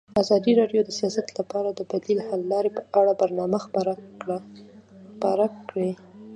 ازادي راډیو د سیاست لپاره د بدیل حل لارې په اړه برنامه خپاره کړې.